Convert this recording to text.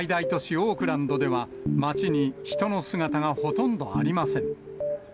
オークランドでは、街に人の姿がほとんどありません。